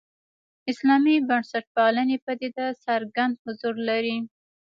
اسلامي بنسټپالنې پدیده څرګند حضور لري.